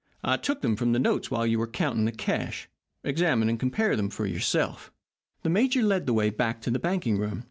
I took them from the notes while you were counting the cash. Examine and compare them for yourself." The major led the way back into the banking room.